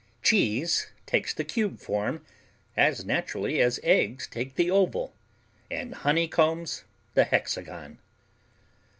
Cheese takes the cube form as naturally as eggs take the oval and honeycombs the hexagon.